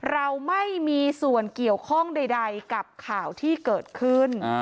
เราไม่มีส่วนเกี่ยวข้องใดกับข่าวที่เกิดขึ้น